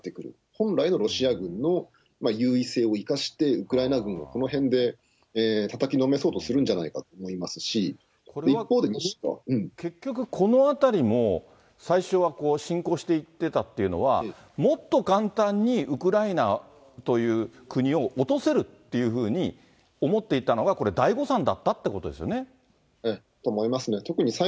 本来のロシア軍の優位性を生かして、ウクライナ軍はこの辺でたたきのめそうとするんじゃないかと思い結局、この辺りも、最初は侵攻していってたっていうのは、もっと簡単にウクライナという国を落とせるっていうふうに、思っていたのが、これ、と思いますね。